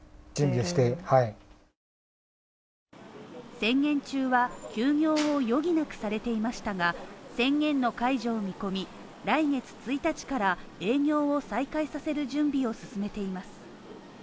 宣言中は休業を余儀なくされていましたが宣言の解除を見込み、来月１日から営業を再開させる準備を進めています。